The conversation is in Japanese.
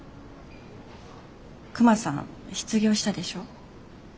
クマさん失業したでしょ？